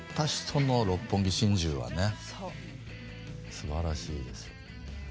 すばらしいですよね。